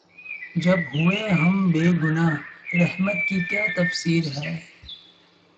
جب ہوئے ہم بے گنہ‘ رحمت کی کیا تفصیر ہے؟